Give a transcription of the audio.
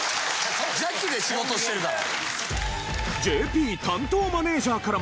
邪気で仕事してるから。